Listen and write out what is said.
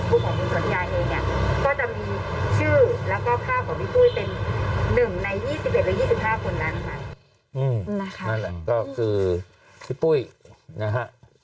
อืมนั่นแหละก็คือพี่ปุ่ยนะฮะ